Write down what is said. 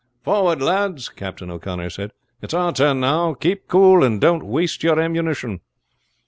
"Forward, lads!" Captain O'Connor said. "It's our turn now. Keep cool and don't waste your ammunition."